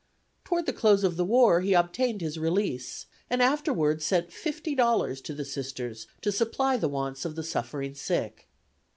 Toward the close of the war he obtained his release, and afterwards sent fifty dollars to the Sisters to supply the wants of the suffering sick.